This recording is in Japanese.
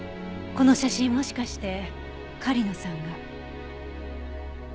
この写真もしかして狩野さんが？